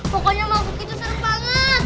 pokoknya mabuk itu seru banget